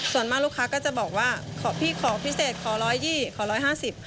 ส่วนมากลูกค้าก็จะบอกว่าขอพี่ขอพิเศษขอร้อยยี่ขอร้อยห้าสิบ